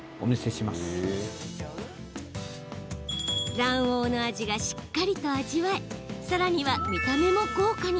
卵黄の味がしっかりと味わえさらには見た目も豪華に。